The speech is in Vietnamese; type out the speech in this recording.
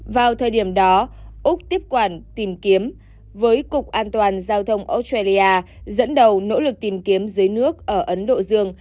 vào thời điểm đó úc tiếp quản tìm kiếm với cục an toàn giao thông australia dẫn đầu nỗ lực tìm kiếm dưới nước ở ấn độ dương